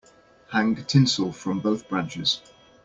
Hang tinsel from both branches.